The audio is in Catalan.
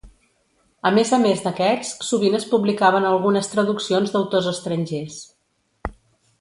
A més a més d'aquests, sovint es publicaven algunes traduccions d'autors estrangers.